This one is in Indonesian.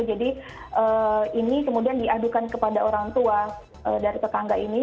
jadi ini kemudian diadukan kepada orang tua dari tetangga ini